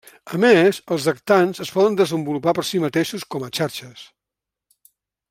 A més, els actants es poden desenvolupar per si mateixos com a xarxes.